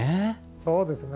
そうですね。